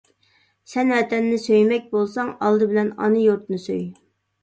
سەن ۋەتەننى سۆيمەك بولساڭ ئالدى بىلەن ئانا يۇرتنى سۆي.